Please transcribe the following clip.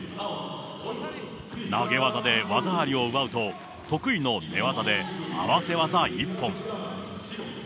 投げ技で技ありを奪うと、得意の寝技で合わせ技一本。